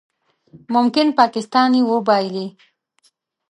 ممکن پاکستان یې وبایلي